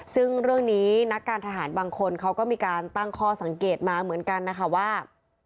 ซึ่งเรื่องนี้นักการทหารบางคนเขาก็มีการตั้งข้อสังเกตมาเหมือนกันนะคะว่า